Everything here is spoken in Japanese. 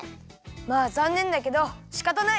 まあざんねんだけどしかたない。